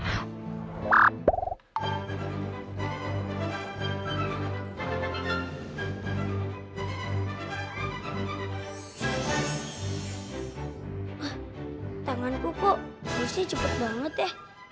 ah tanganku kok busnya cepet banget ya